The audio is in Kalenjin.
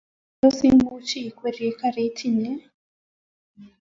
Tos imuch ikweri karit inye?